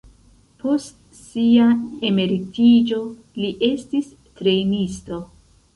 Post sia emeritiĝo, li estis trejnisto.